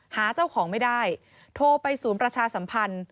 หาเจ้าของไม่ได้โทรไปศูนย์ประชาสัมพันธ์